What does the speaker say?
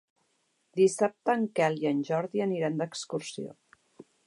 Dissabte en Quel i en Jordi aniran d'excursió.